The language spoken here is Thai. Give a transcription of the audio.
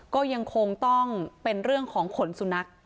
ก็ยังคงต้องเป็นเรื่องของขนสุนัข